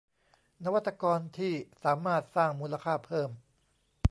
นวัตกรที่สามารถสร้างมูลค่าเพิ่ม